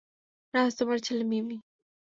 রাজ তোমার ছেলে, মিমি।